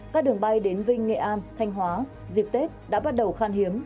các đường bay đến vinh nghệ an thanh hóa dịp tết đã bắt đầu khan hiếm